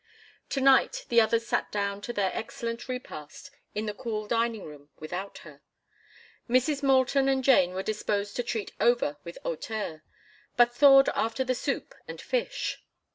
Tonight the others sat down to their excellent repast in the cool dining room without her. Mrs. Moulton and Jane were disposed to treat Over with hauteur, but thawed after the soup and fish.